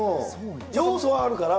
要素はあるから。